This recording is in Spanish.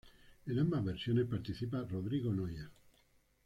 En ambas versiones participa Rodrigo Noya.